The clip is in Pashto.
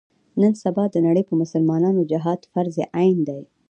نن سبا د نړۍ په مسلمانانو جهاد فرض عین دی.